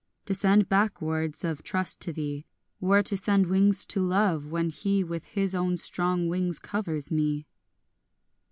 To send back words of trust to thee Were to send wings to love, when he With his own strong wings covers me.